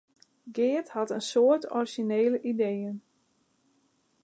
Geart hat in soad orizjinele ideeën.